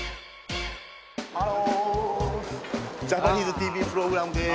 ハロージャパニーズＴＶプログラムです。